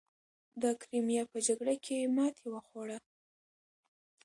د کریمیا په جګړه کې ماتې وخوړه.